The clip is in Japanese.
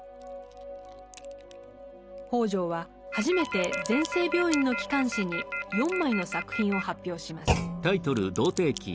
北條は初めて全生病院の機関誌に４枚の作品を発表します。